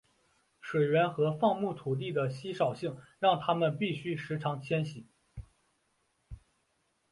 水源和放牧土地的稀少性让他们必须时常迁徙。